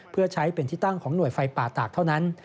เพื่อใช้เป็นที่ตั้งของหน่วยไฟป่าตากเท่านั้น